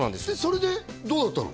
それでどうだったの？